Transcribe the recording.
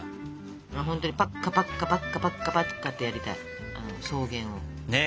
ほんとにパッカパッカパッカパッカパッカってやりたい草原を。